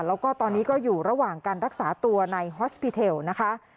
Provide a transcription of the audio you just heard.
แล้วก็ตอนนี้ก็อยู่ระหว่างการรักษาตัวในฮอสปีเทลนะคะ